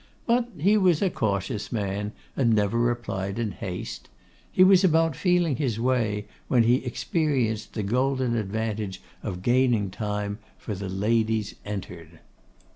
But he was a cautious man, and never replied in haste. He was about feeling his way, when he experienced the golden advantage of gaining time, for the ladies entered.